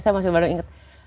saya masih baru inget